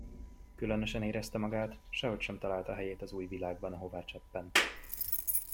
Különösen érezte magát, sehogy sem találta helyét az új világban, ahová cseppent.